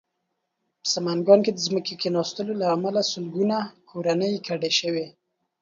سمنګانو کې د ځمکې کېناستو له امله لسګونه کورنۍ کډه شوې